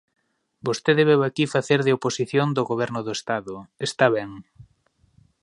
Vostede veu aquí facer de oposición do Goberno do Estado, está ben.